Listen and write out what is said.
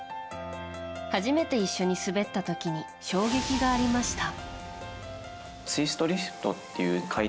初めて一緒に滑った時に衝撃がありました。